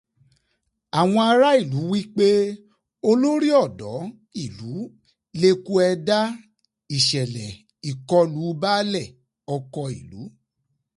Àwọn aráàlú wí pé olórí ọ̀dọ́ ìlú leku ẹdá ìṣẹ̀lẹ̀ ìkọlù Baálẹ̀ ọkọ ìlú.